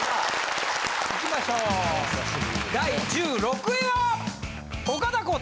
第１６位は！